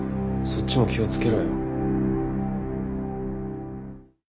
そっちも気をつけろよ。